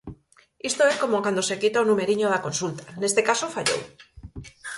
Isto é como cando se quita o numeriño da consulta, neste caso fallou.